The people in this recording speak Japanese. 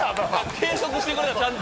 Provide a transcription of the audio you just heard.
計測してくれたちゃんと。